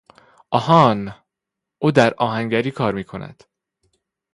آهان! او در آهنگری کار میکند.